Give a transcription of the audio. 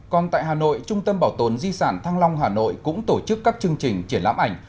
còn tại hà nội trung tâm bảo tồn di sản thăng long hà nội cũng tổ chức các chương trình triển lãm ảnh